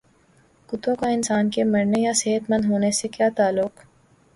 کتوں کا انسان کے مرنے یا صحت مند ہونے سے کیا تعلق